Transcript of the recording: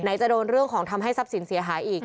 จะโดนเรื่องของทำให้ทรัพย์สินเสียหายอีก